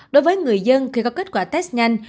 đối với người dân khi có kết quả test nhanh